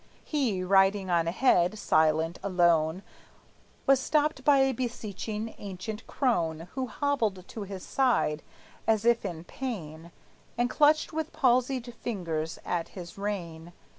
He, riding on ahead, silent, alone, Was stopped by a beseeching ancient crone Who hobbled to his side, as if in pain, And clutched with palsied fingers at his rein.